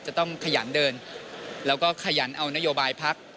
จะต้องขยันเดินแล้วก็ขยันเอานโยบายพัก